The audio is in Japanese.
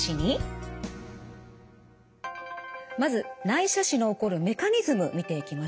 まず内斜視の起こるメカニズム見ていきましょう。